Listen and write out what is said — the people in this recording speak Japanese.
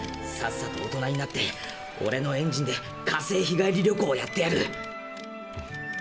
さっさと大人になってオレのエンジンで火星日帰り旅行をやってやる。